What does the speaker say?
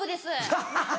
アハハハ。